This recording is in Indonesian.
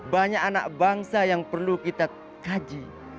banyak anak bangsa yang perlu kita kaji